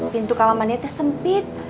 pintu kawang mandinya sempit